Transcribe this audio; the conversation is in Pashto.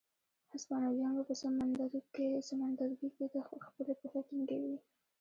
هسپانویان به په سمندرګي کې خپلې پښې ټینګوي.